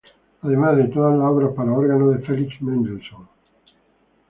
Además de todas las obras para órgano de Felix Mendelssohn.